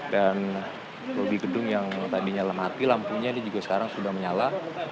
dan lobi gedung yang tadinya lemah hati lampunya juga sekarang sudah menyala